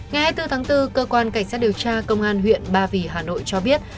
ngày hai mươi bốn tháng bốn cơ quan cảnh sát điều tra công an huyện ba vì hà nội cho biết